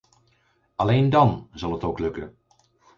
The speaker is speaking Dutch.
Alleen dan zal het ook lukken.